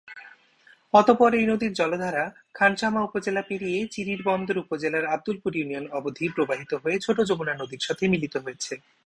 অতঃপর এই নদীর জলধারা খানসামা উপজেলা পেরিয়ে চিরিরবন্দর উপজেলার আব্দুলপুর ইউনিয়ন অবধি প্রবাহিত হয়ে ছোট যমুনা নদীর সাথে মিলিত হয়েছে।